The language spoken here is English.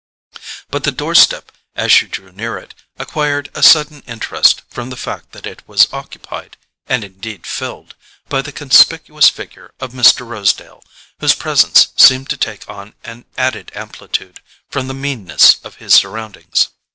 But the doorstep, as she drew near it, acquired a sudden interest from the fact that it was occupied—and indeed filled—by the conspicuous figure of Mr. Rosedale, whose presence seemed to take on an added amplitude from the meanness of his surroundings.